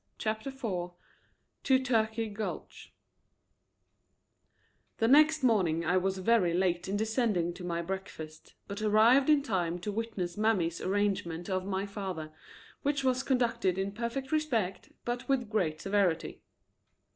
CHAPTER IV TO TURKEY GULCH The next morning I was very late in descending to my breakfast, but arrived in time to witness Mammy's arraignment of my father, which was conducted in perfect respect, but with great severity.